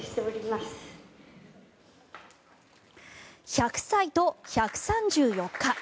１００歳と１３４日。